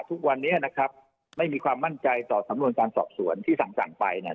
ทุกวันนี้นะครับไม่มีความมั่นใจต่อสำนวนการสอบสวนที่สั่งไปเนี่ย